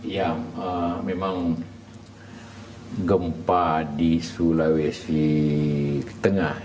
yang memang gempa di sulawesi tengah